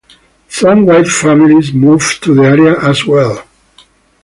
Some White families moved to the area as well.